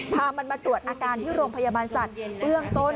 พามันมาตรวจอาการที่โรงพยาบาลสัตว์เบื้องต้น